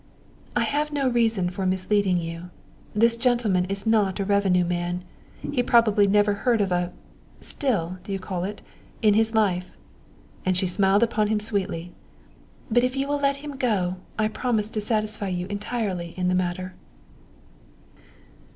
"I have no reason for misleading you. This gentleman is not a revenue man. He probably never heard of a still, do you call it? in his life " and she smiled upon him sweetly. "But if you will let him go I promise to satisfy you entirely in the matter."